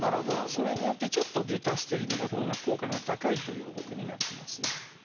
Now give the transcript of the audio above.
それによってちょっとデュタステリドのほうが効果が高いという報告になってます。